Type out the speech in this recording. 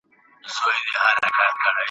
شمع هر څه ویني راز په زړه لري !.